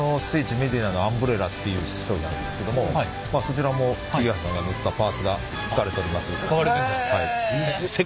メディナのアンブレラっていう商品あるんですけどもそちらも桐原さんが縫ったパーツが使われております。